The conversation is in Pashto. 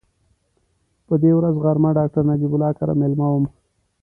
په دې ورځ غرمه ډاکټر نجیب الله کره مېلمه وم.